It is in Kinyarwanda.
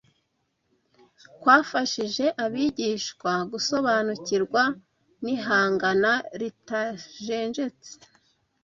kwafashije abigishwa gusobanukirwa n’ihangana ritajenjetse